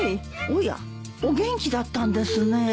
おやお元気だったんですね。